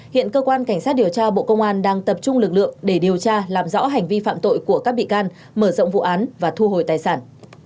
hiện cơ quan cảnh sát điều tra bộ công an đang tập trung lực lượng để điều tra làm rõ hành vi phạm tội của các bị can mở rộng vụ án và thu hồi tài sản